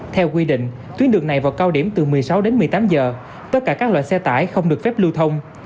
theo quy định tuyến đường này vào cao điểm từ một mươi sáu đến một mươi tám giờ tất cả các loại xe tải không được phép lưu thông